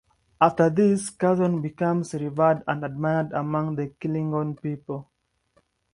After this, Curzon becomes revered and admired among the Klingon people.